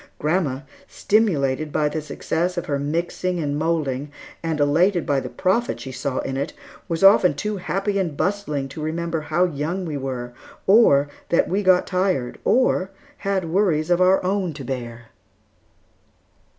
Grandma, stimulated by the success of her mixing and moulding, and elated by the profit she saw in it, was often too happy and bustling to remember how young we were, or that we got tired, or had worries of our own to bear.